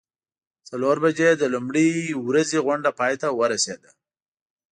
څلور بجې د لومړۍ ورځې غونډه پای ته ورسیده.